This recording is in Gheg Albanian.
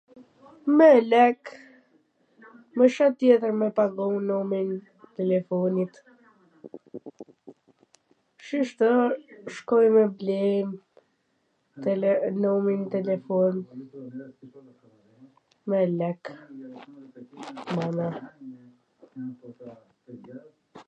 Me lek, me sha tjetwr me pagu numrin telefonit, shishto shkoj me ble tele... numrin e telefonit, me lek, mana